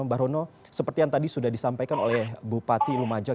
mbah rono seperti yang tadi sudah disampaikan oleh bupati lumajang